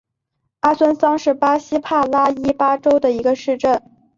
阿孙桑是巴西帕拉伊巴州的一个市镇。